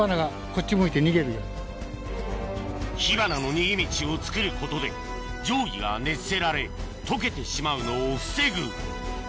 火花の逃げ道をつくることで定規が熱せられ溶けてしまうのを防ぐ